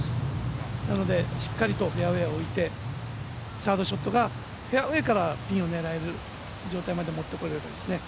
なのでしっかりとフェアウエーに置いてサードショットがフェアウエーからピンを狙える状態にと。